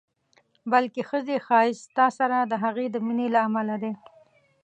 بلکې ښځې ښایست ستا سره د هغې د مینې له امله دی.